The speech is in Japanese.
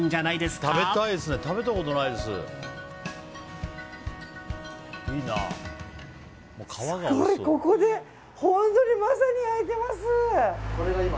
すごい、ここで本当にまさに焼いてます！